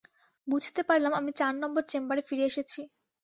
বুঝতে পারলাম আমি চার নম্বর চেম্বারে ফিরে এসেছি।